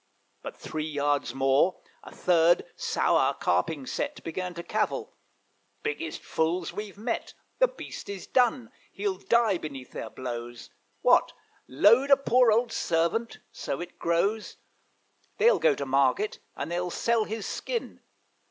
But three yards more, a third, sour, carping set, Began to cavil, 'Biggest fools we've met! The beast is done he'll die beneath their blows. What! load a poor old servant!' so it grows: 'They'll go to market, and they'll sell his skin.'